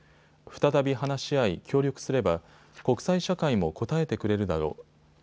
再び話し合い、協力すれば国際社会も応えてくれるだろう。